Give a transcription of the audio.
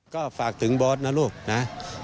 ก็ฝากถึงบอสนะลูกนะ